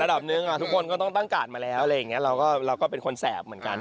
นึงทุกคนก็ต้องตั้งการ์ดมาแล้วอะไรอย่างนี้เราก็เป็นคนแสบเหมือนกัน